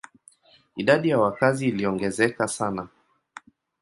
Idadi ya wakazi iliongezeka sana.